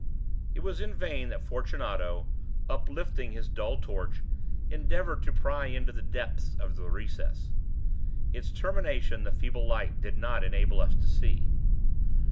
It was in vain that Fortunato, uplifting his dull torch, endeavored to pry into the depths of the recess. Its termination the feeble light did not enable us to see.